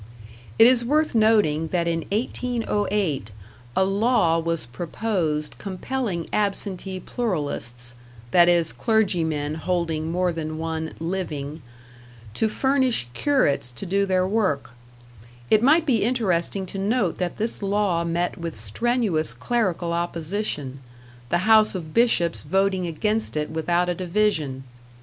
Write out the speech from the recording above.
It is worth noting that in 1808 a law was proposed compelling absentee pluralists that is, clergymen holding more than one "living" to furnish curates to do their work; it might be interesting to note that this law met with strenuous clerical opposition, the house of Bishops voting against it without a division.